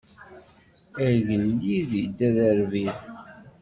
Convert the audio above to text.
Agellid idda d arbib.